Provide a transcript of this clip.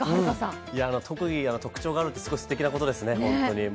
特技、特徴があるってすごくすてきなことですね。